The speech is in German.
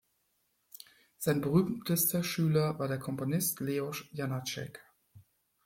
Sein berühmtester Schüler war der Komponist Leoš Janáček.